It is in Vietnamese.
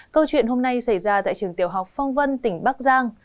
câu chuyện hôm nay xảy ra tại trường tiểu học phong vân tỉnh bắc giang